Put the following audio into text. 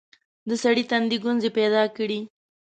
د سړي تندي ګونځې پيداکړې.